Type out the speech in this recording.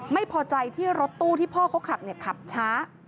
ไม่พอใจที่รถตู้ที่พ่อเขาขับขับช้า